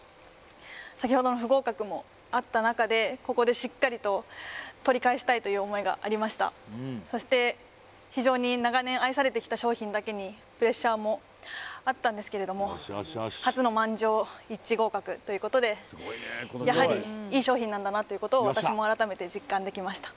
先ほどの不合格もあった中でここでしっかりと取り返したいという思いがありましたそして非常に長年愛されてきた商品だけにプレッシャーもあったんですけれどもやはりいい商品なんだなということを私も改めて実感できました